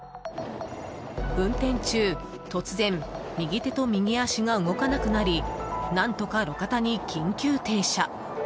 運転中、突然右手と右足が動かなくなり何とか路肩に緊急停車。